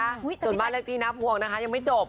ส่วนบ้านเลขที่น้าพวงนะคะยังไม่จบ